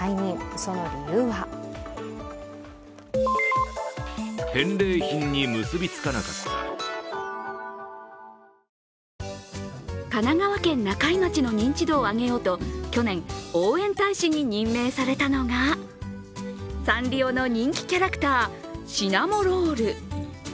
その理由は神奈川県中井町の認知度を上げようと去年、応援大使に任命されたのがサンリオの人気キャラクター、シナモロール。